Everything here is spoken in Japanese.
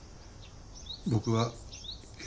僕は。